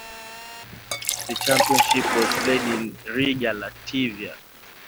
The Championship was played in Riga, Latvia.